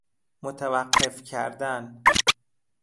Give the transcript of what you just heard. متوقف کردن